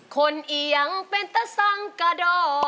คนอียังเป็นตะซังกะดอ